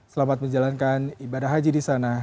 selamat menjalankan ibadah haji di sana